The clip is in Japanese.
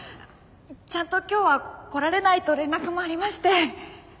ちゃんと今日は来られないと連絡もありまして。